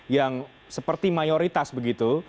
yang seperti mayoritas begitu